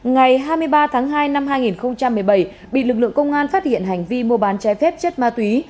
ngày hai mươi ba tháng hai năm hai nghìn một mươi bảy bị lực lượng công an phát hiện hành vi mua bán trái phép chất ma túy